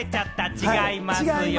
違いますよ。